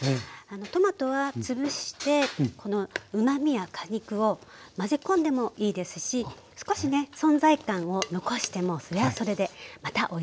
トマトは潰してこのうまみや果肉を混ぜ込んでもいいですし少しね存在感を残してもそれはそれでまたおいしいです。